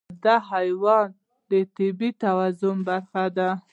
دا حیوان د طبیعي توازن برخه ده.